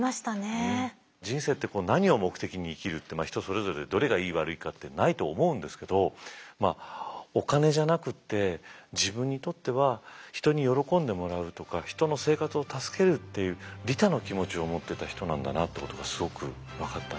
人生って何を目的に生きるって人それぞれどれがいい悪いかってないと思うんですけどお金じゃなくて自分にとっては人に喜んでもらうとか人の生活を助けるっていう利他の気持ちを持ってた人なんだなってことがすごく分かったね。